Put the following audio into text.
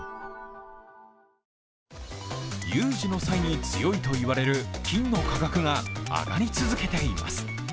有事の際に強いと言われる金の価格が上がり続けています。